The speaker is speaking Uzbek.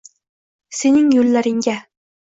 Sening yo’llaringga